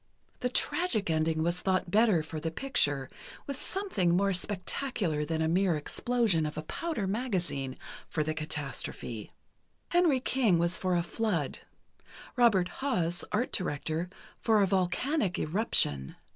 The tragic ending was thought better for the picture, with something more spectacular than a mere explosion of a powder magazine for the catastrophe. Henry King was for a flood; Robert Haas, art director, for a volcanic eruption.